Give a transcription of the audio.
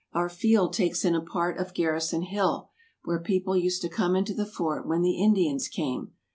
Our field takes in a part of Garrison Hill, where people used to come into the fort when the Indians came.